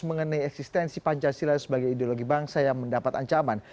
mengenai eksistensi pancasila sebagai ideologi bangsa yang mendapat ancaman